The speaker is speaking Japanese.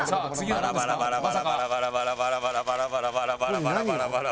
バラバラバラバラバラバラバラバラバラバラバラバラ。